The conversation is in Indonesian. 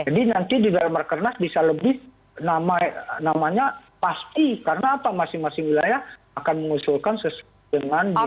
jadi nanti di dalam rekenas bisa lebih namanya pasti karena apa masing masing wilayah akan mengusulkan sesuatu dengan dini